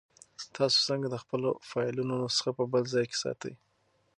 تاسو څنګه د خپلو فایلونو نسخه په بل ځای کې ساتئ؟